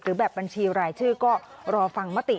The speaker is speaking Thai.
แบบบัญชีรายชื่อก็รอฟังมติ